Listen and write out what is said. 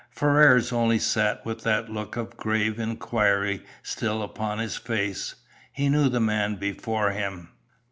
Ferrars only sat with that look of grave inquiry still upon his face. He knew the man before him.